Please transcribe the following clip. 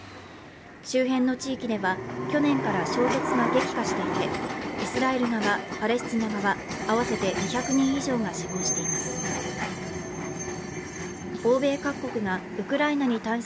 周辺の地域では去年から衝突が激化していてイスラエル側・パレスチナ側、合わせて２００人以上が死亡しています。